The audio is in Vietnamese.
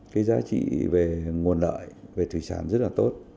cái giá trị về nguồn lợi về thủy sản rất là tốt